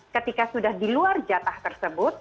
ketika sudah di luar jatah tersebut